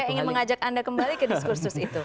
saya ingin mengajak anda kembali ke diskursus itu